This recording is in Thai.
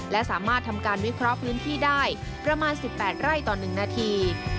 และสามารถทำการวิเคราะห์พื้นที่ได้ประมาณ๑๘ไร่ต่อ๑นาที